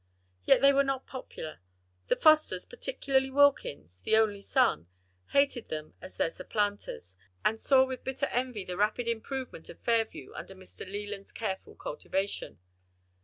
Yet they were not popular: the Fosters, particularly Wilkins, the only son, hated them as their supplanters, and saw with bitter envy the rapid improvement of Fairview under Mr. Leland's careful cultivation.